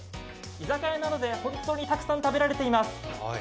居酒屋なので、本当にたくさん食べられています。